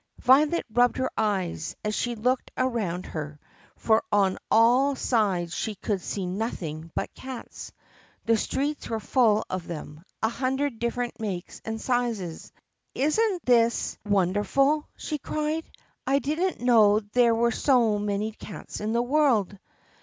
Violet rubbed her eyes as she looked around her, for on all sides she could see nothing but cats. The streets were full of them — a hundred different makes and sizes. "Is n't this THE PUSSYCAT PRINCESS 49 wonderful?" she cried. "I didn't know there were so many cats in all the world!"